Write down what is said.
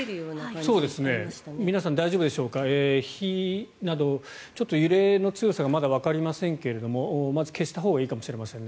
皆さん大丈夫でしょうか火など、揺れの強さがまだわかりませんけれども消したほうがいいかもしれませんね。